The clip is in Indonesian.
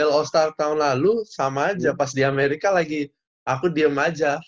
kalau di amerika aku udah sama aja pas di amerika lagi aku diem aja